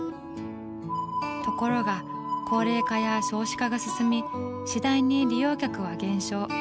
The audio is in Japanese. ところが高齢化や少子化が進み次第に利用客は減少。